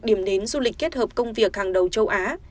điểm đến du lịch kết hợp công việc hàng đầu châu á